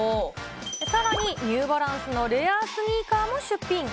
さらに、ニューバランスのレアスニーカーも出品。